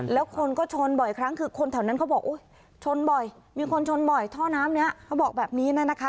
แล้วคนก็ชนบ่อยครั้งคือคนแถวนั้นเขาบอกชนบ่อยมีคนชนบ่อยท่อน้ำนี้เขาบอกแบบนี้นะคะ